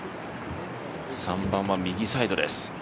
３番は右サイドです。